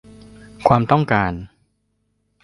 ความต้องการ